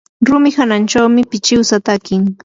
rumi hanachawmi pichiwsa takin.